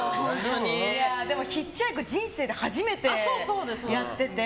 ヒッチハイク人生で初めてやってて。